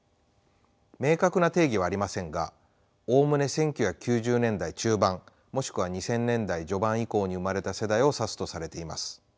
明確な定義はありませんがおおむね１９９０年代中盤もしくは２０００年代序盤以降に生まれた世代を指すとされています。